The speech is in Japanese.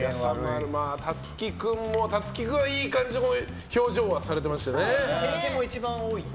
たつき君も、いい感じの表情はされていましたよね。